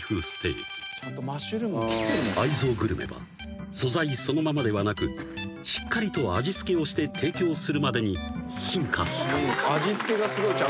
［愛憎グルメは素材そのままではなくしっかりと味付けをして提供するまでに進化したのだ］